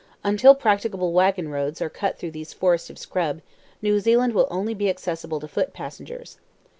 Until practicable wagon roads are cut through these forests of scrub, New Zealand will only be accessible to foot passengers.